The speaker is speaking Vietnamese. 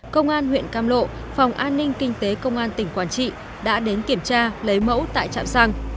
công an huyện cam lộ phòng an ninh kinh tế công an tỉnh quảng trị đã đến kiểm tra lấy mẫu tại trạm xăng